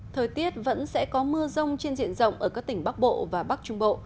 thời tiết vẫn sẽ có mưa rông trên diện rộng ở các tỉnh bắc bộ và bắc trung bộ